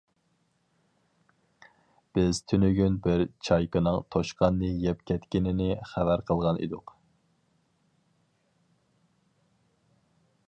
بىز تۈنۈگۈن بىر چايكىنىڭ توشقاننى يەپ كەتكىنىنى خەۋەر قىلغان ئىدۇق.